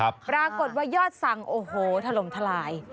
ปรากฏว่ายอดสั่งโอ้โหถล่มทลาย